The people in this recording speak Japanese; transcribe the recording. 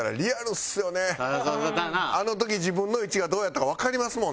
あの時自分の位置がどうやったかわかりますもんね。